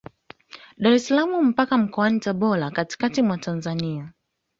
Dar es salaam mpaka Mkoani Tabora katikati mwa Tanzania